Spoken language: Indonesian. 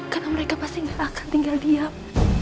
karena mereka pasti gak akan tinggal diam